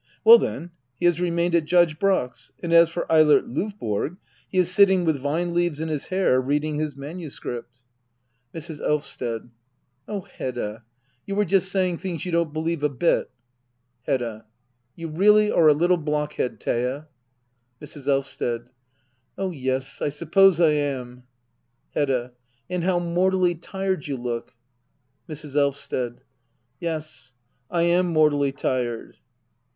Well then, he has remained at Judge Brack's. And as for Eilert Lovborg — he is sitting, with vine leaves in his hair, reading his manuscript. Digitized by Google act iii.] hedda gablbr. 121 Mrs. Ei^vsted. Oh Hedda^ you are just saying things you don't believe a bit. Hedda. You really are a little blockhead, Thea. Mrs. Blvsted. Oh yes^ I suppose I am. Hedda. And how mortally tired you look. Mrs. Blvsted. Yes, I am mortally tired.